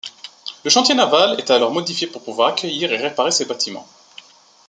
Le chantier naval est alors modifié pour pouvoir accueillir et réparer ces bâtiments.